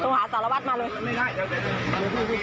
หาสารวัตรมาเลย